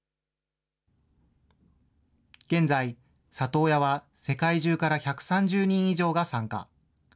現在、里親は世界中から１３０人以上が参加。